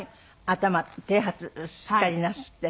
頭剃髪すっかりなすって。